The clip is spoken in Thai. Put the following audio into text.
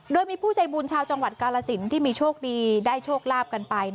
โดยมีผู้ใจบุญชาวจังหวัดกาลสินที่มีโชคดีได้โชคลาภกันไป